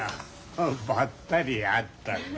ばったり会ったんだ。